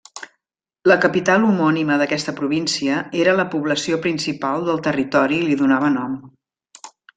La capital homònima d'aquesta província, era la població principal del territori i li donava nom.